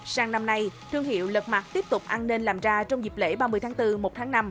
sang năm nay thương hiệu lật mặt tiếp tục an ninh làm ra trong dịp lễ ba mươi tháng bốn một tháng năm